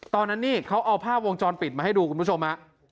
ตอนนั้นนี่เขาเอาภาพวงจรปิดมาให้ดูคุณผู้ชมฮะ